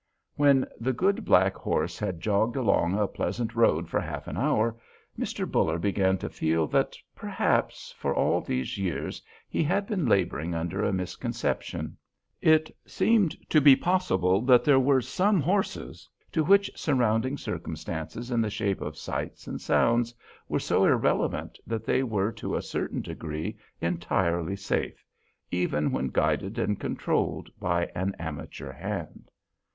When the good black horse had jogged along a pleasant road for half an hour Mr. Buller began to feel that, perhaps, for all these years he had been laboring under a misconception. It seemed to be possible that there were some horses to which surrounding circumstances in the shape of sights and sounds were so irrelevant that they were to a certain degree entirely safe, even when guided and controlled by an amateur hand.